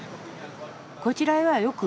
こちらへはよく？